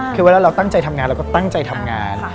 คือเวลาเราตั้งใจทำงานเราก็ตั้งใจทำงาน